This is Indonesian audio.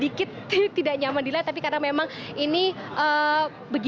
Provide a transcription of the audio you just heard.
dan kalau misalnya ini sedikit tidak nyaman dilihat tapi karena memang ini berlaku di luar negara